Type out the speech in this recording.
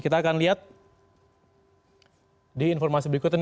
kita akan lihat di informasi berikutnya